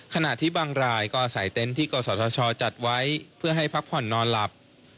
ขณะที่บางรายก็อาศัยเต็นต์ที่กศธชจัดไว้เพื่อให้พักผ่อนนอนหลับ